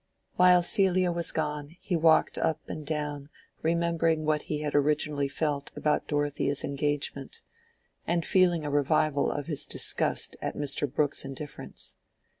While Celia was gone he walked up and down remembering what he had originally felt about Dorothea's engagement, and feeling a revival of his disgust at Mr. Brooke's indifference.